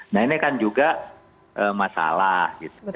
nah ini kan juga masalah gitu